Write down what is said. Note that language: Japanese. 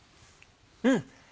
うん！